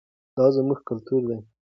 دا زموږ کلتور دی.